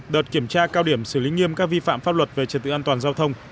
đợt kiểm tra cao điểm xử lý nghiêm các vi phạm pháp luật về trật tự an toàn giao thông